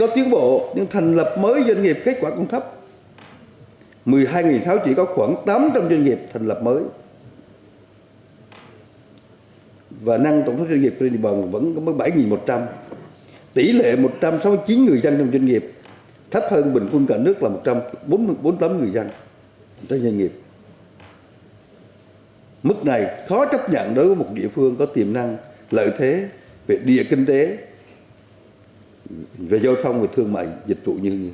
tuy có tiến bộ nhưng thành lập mới doanh nghiệp kết quả cũng thấp